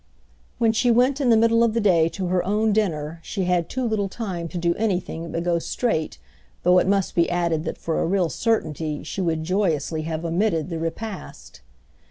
When she went in the middle of the day to her own dinner she had too little time to do anything but go straight, though it must be added that for a real certainty she would joyously have omitted the repast.